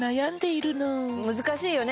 難しいよね